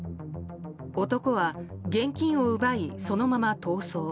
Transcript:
男は現金を奪い、そのまま逃走。